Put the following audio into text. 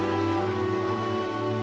jangan lupa subscribe channel ini